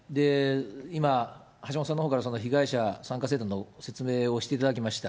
今、橋下さんのほうから被害者参加制度の説明をしていただきました。